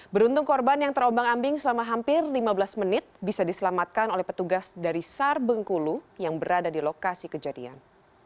beruntung korban yang terombang ambing selama hampir lima belas menit bisa diselamatkan oleh petugas dari sar bengkulu yang berada di lokasi kejadian